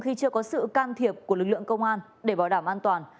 khi chưa có sự can thiệp của lực lượng công an để bảo đảm an toàn